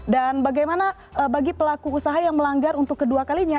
dan bagaimana bagi pelaku usaha yang melanggar untuk kedua kalinya